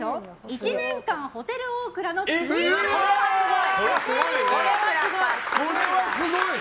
１年間ホテルオークラのこれはすごい！